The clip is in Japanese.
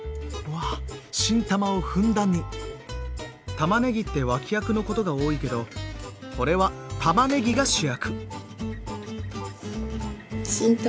たまねぎって脇役のことが多いけどこれはたまねぎが主役！